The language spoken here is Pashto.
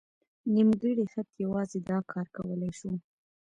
نیمګړی خط یوازې دا کار کولی شو.